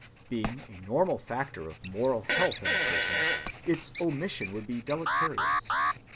Being a normal factor of moral health in the person, its omission would be deleterious.